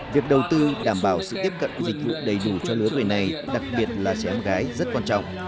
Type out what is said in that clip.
việc đầu tư đảm bảo sự tiếp cận dịch vụ đầy đủ cho lứa người này đặc biệt là trẻ em gái rất quan trọng